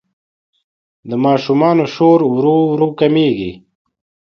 د ماشومانو شور ورو ورو کمېږي.